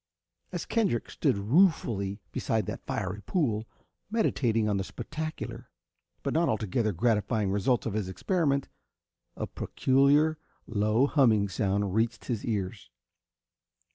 As Kendrick stood ruefully beside that fiery pool, meditating on the spectacular but not altogether gratifying results of his experiment, a peculiar low humming sound reached his ears.